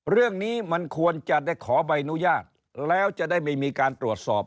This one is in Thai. เรื่องนี้มันควรจะได้ขอใบอนุญาตแล้วจะได้ไม่มีการตรวจสอบ